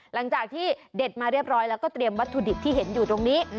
หลังจากที่เด็ดมาเรียบร้อยแล้วก็เตรียมวัตถุดิบที่เห็นอยู่ตรงนี้